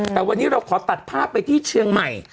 แต่วันนี้เราขอตัดภาพไปที่เชียงใหม่